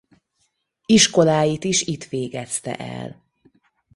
Iskoláit is itt végezte el.